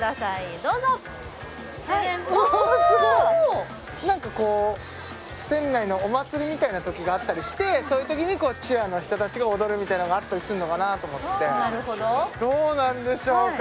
どうぞあっすごいあなんかこう店内のお祭りみたいなときがあったりしてそういうときにチアの人たちが踊るみたいのがあったりするのかなと思ってどうなんでしょうか？